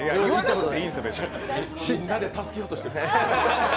みんなで助けようとしてる。